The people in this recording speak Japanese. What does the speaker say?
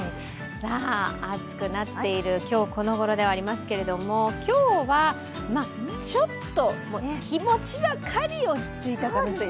暑くなっている今日このごろではありますけれども今日はまあちょっと、気持ちばかり落ち着いた感じ。